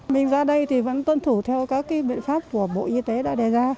mình ra đây thì vẫn tuân thủ theo các biện pháp của bộ y tế đã đề ra